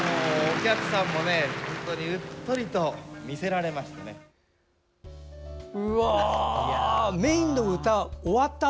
お客さんもねうっとりと見せられました！